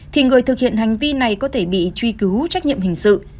thì người thực hiện hành vi này có thể bị truy cứu trách nhiệm hình sự